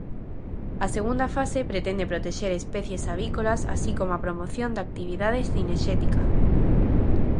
A segunda fase pretende protexer especies avícolas así como a promoción da actividade cinexética.